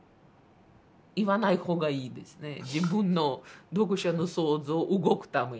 自分の読者の想像動くために。